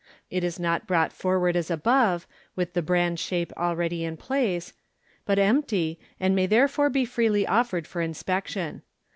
It is not brought forward as above, with the bran shape already in place, but empty, and may therefore be freely offered for inspec tion.